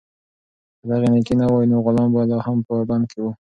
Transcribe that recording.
که دغه نېکي نه وای، نو غلام به لا هم په بند کې و.